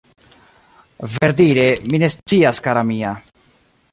Verdire mi ne scias kara mia